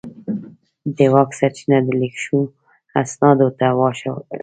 د واک سرچینه د لیک شوو اسنادو ته واوښته.